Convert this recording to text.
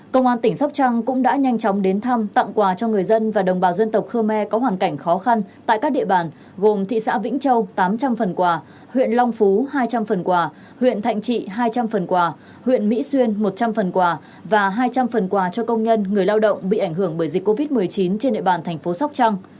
công an tỉnh sóc trăng cũng đã nhanh chóng đến thăm tặng quà cho người dân và đồng bào dân tộc khơ me có hoàn cảnh khó khăn tại các địa bàn gồm thị xã vĩnh châu tám trăm linh phần quà huyện long phú hai trăm linh phần quà huyện thạnh trị hai trăm linh phần quà huyện mỹ xuyên một trăm linh phần quà và hai trăm linh phần quà cho công nhân người lao động bị ảnh hưởng bởi dịch covid một mươi chín trên địa bàn thành phố sóc trăng